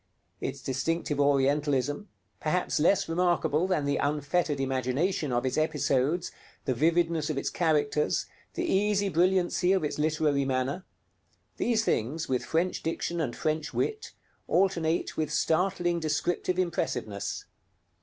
Its distinctive Orientalism, perhaps less remarkable than the unfettered imagination of its episodes, the vividness of its characters, the easy brilliancy of its literary manner these things, with French diction and French wit, alternate with startling descriptive impressiveness.